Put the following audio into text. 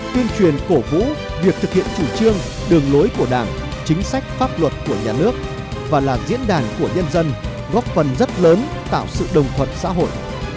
tuyên truyền cổ vũ việc thực hiện chủ trương đường lối của đảng chính sách pháp luật của nhà nước và là diễn đàn của nhân dân góp phần rất lớn tạo sự đồng thuận xã hội